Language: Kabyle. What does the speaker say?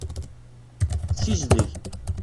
Sizdeg.